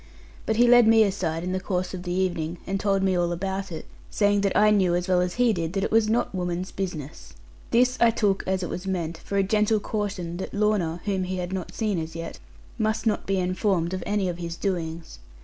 But he led me aside in the course of the evening, and told me all about it; saying that I knew, as well as he did, that it was not woman's business. This I took, as it was meant, for a gentle caution that Lorna (whom he had not seen as yet) must not be informed of any of his doings.